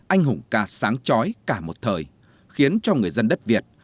anh hùng ca sáng trói cả một thời khiến cho người dân đất việt